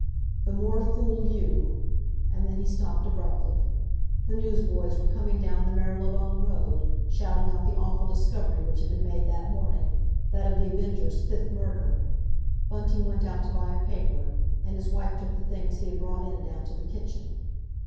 "The more fool you!" And then he stopped abruptly. The newsboys were coming down the Marylebone Road, shouting out the awful discovery which had been made that morning—that of The Avenger's fifth murder. Bunting went out to buy a paper, and his wife took the things he had brought in down to the kitchen.